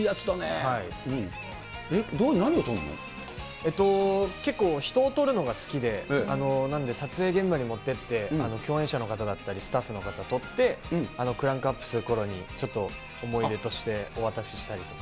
えっ、結構人を撮るのが好きで、撮影現場に持ってって、共演者の方だったり、スタッフの方を撮って、クランクアップするころに、思い出としてお渡ししたりとか。